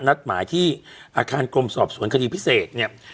นัดหมายที่อาคารกรมสอบสวนคดีพิเศษเนี่ย